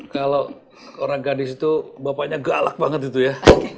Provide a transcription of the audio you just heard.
kalau orang gadis itu bapaknya galak banget itu ya